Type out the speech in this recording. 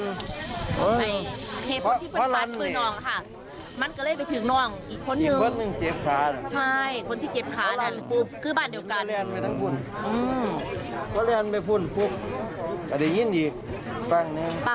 คนที่เก็บข้าคือบ้านเดียวกัน